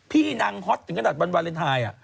พี่นางฮอตถึงขนาดวันวาเลนไทย